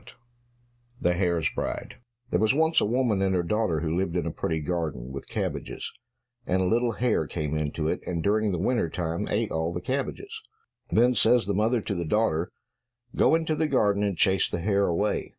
66 The Hare's Bride There was once a woman and her daughter who lived in a pretty garden with cabbages; and a little hare came into it, and during the winter time ate all the cabbages. Then says the mother to the daughter, "Go into the garden, and chase the hare away."